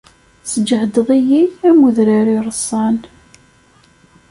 Tesǧehdeḍ-iyi am udrar ireṣṣan.